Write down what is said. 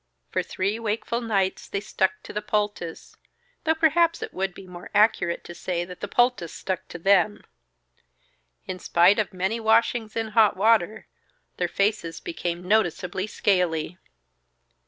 For three wakeful nights they stuck to the poultice though perhaps it would be more accurate to say that the poultice stuck to them. In spite of many washings in hot water, their faces became noticeably scaly.